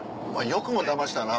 よくもだましたな。